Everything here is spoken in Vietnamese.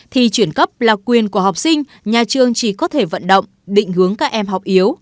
thì chuyển cấp là quyền của học sinh nhà trường chỉ có thể vận động định hướng các em học yếu